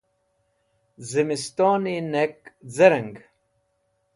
zimistoni nek zereng